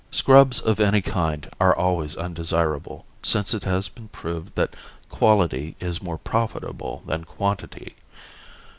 Scrubs of any kind are always undesirable, since it has been proved that quality is more profitable than quantity.